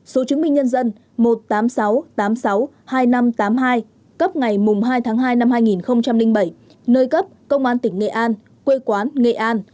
số chứng minh nhân dân một tám sáu tám sáu hai năm tám hai cấp ngày hai tháng hai năm hai nghìn bảy nơi cấp công an tỉnh nghệ an quê quán nghệ an